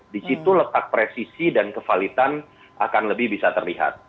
di situ letak presisi dan kevalitan akan lebih bisa terlihat